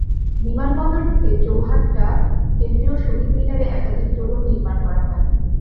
বিমানবন্দর থেকে চৌহাট্টা কেন্দ্রীয় শহীদ মিনারে একাধিক তোরণ নির্মাণ করা হয়।